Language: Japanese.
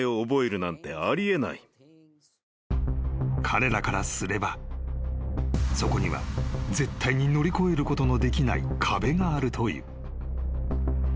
［彼らからすればそこには絶対に乗り越えることのできない壁があるという］